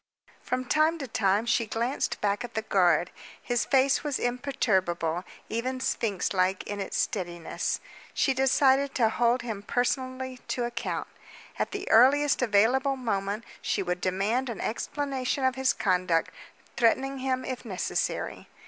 From time to time she glanced back at the guard. His face was imperturbable, even sphinx like in its steadiness. She decided to hold him personally to account. At the earliest available moment she would demand an explanation of his conduct, threatening him if necessary.